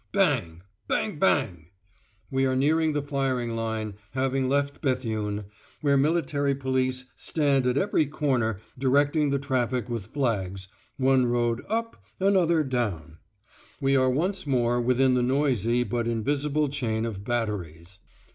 "Bang Bang bang." We are nearing the firing line, having left Béthune, where military police stand at every corner directing the traffic with flags, one road "up," another "down": we are once more within the noisy but invisible chain of batteries.